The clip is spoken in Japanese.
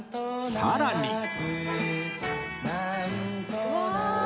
さらに